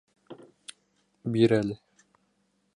Бир әле!